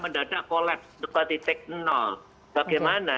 mendadak kolaps seperti tek bagaimana